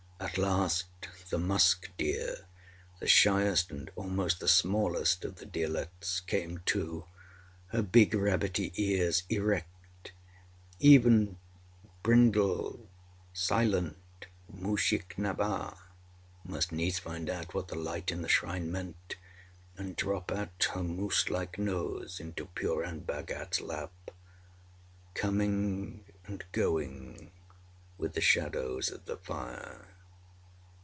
At last, the musk deer, the shyest and almost the smallest of the deerlets, came, too, her big rabbity ears erect; even brindled, silent mushick nabha must needs find out what the light in the shrine meant, and drop out her moose like nose into Purun Bhagatâs lap, coming and going with the shadows of the fire.